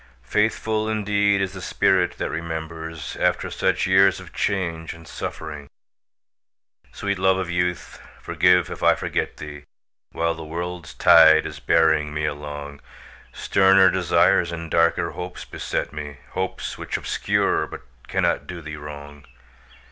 Faithful indeed is the spirit that remembers After such years of change and suffering! Sweet love of youth, forgive if I forget thee While the world's tide is bearing me along; Sterner desires and darker hopes beset me, Hopes which obscure but cannot do thee wrong.